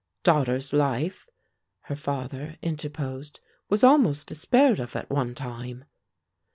"Daughter's life," her father interposed, "was almost despaired of, at one time."